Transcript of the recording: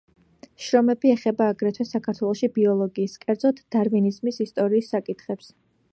შრომები ეხება აგრეთვე საქართველოში ბიოლოგიის, კერძოდ დარვინიზმის ისტორიის საკითხებს.